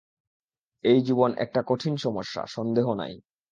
এই জীবন একটা কঠিন সমস্যা, সন্দেহ নাই।